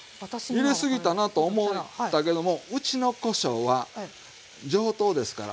入れすぎたなと思ったけどもうちのこしょうは上等ですから。